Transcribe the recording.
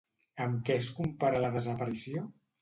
Amb què es compara la desaparició?